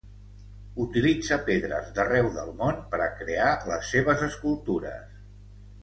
Utilitza pedres d'arreu del món per a crear les seves escultures.